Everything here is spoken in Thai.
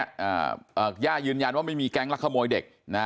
อ่าย่ายืนยันว่าไม่มีแก๊งรักขโมยเด็กนะ